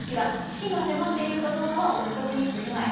死期が迫っているかどうかは臆測にすぎない。